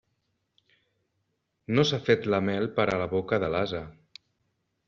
No s'ha fet la mel per a la boca de l'ase.